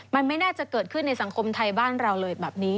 มันไม่น่าจะเกิดขึ้นในสังคมไทยบ้านเราเลยแบบนี้